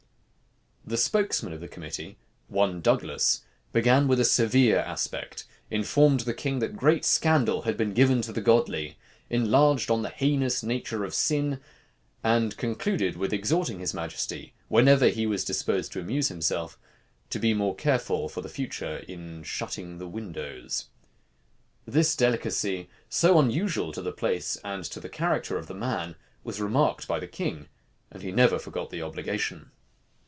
The spokesman of the committee, one Douglas began with a severe aspect, informed the king, that great scandal had been given to the godly, enlarged on the heinous nature of sin, and concluded with exhorting his majesty, whenever he was disposed to amuse himself, to be more careful for the future in shutting the windows. This delicacy, so unusual to the place and to the character of the man, was remarked by the king; and he never forgot the obligation.